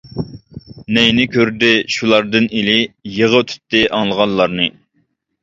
نەينى كۆردى شۇلاردىن ئىلى، يىغا تۇتتى ئاڭلىغانلارنى.